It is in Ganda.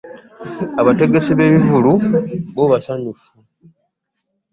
Abategesi b'ebivvulu bbo basanyufu.